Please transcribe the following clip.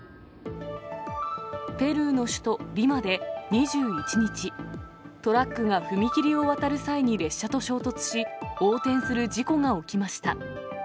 ペルーの首都リマで２１日、トラックが踏切を渡る際に列車と衝突し、横転する事故が起きました。